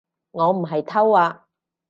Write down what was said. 我唔係偷啊